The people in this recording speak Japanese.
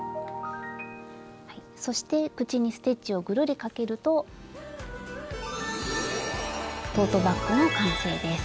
そして口にステッチをぐるりかけるとトートバッグの完成です。